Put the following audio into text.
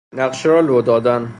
نقشه را لو دادن